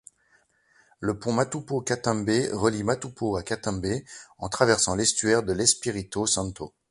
Le Pont Maputo-Catembe relie Maputo à Catembe, en traversant l'estuaire de l'Espirito Santo.